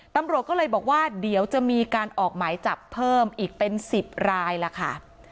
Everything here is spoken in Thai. ตำรวจก็เลยบอกว่าเดี๋ยวจะมีการออกหมายจับเพิ่มอีกเป็น๑๐รายล่ะค่ะ